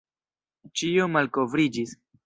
Ĉio malkovriĝis!